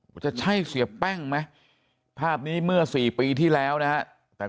ไว้จะใช่เสียแป้งมั้ยภาพนี้เมื่อสี่ปีที่แล้วนะฮะ